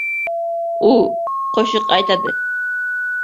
U… qo‘shiq aytadi!